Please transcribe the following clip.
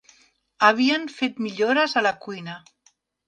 Havien fet millores a la cuina.